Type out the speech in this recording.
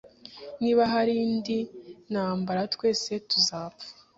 Niba hari indi ntambara, twese tuzapfa.